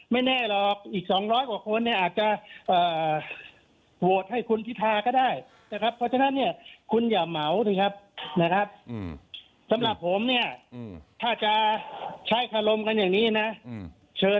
ไม่แน่หรอกอีกสองร้อยกว่าคนเนี่ยอาจจะไหวว่าคุณพิธาก็ได้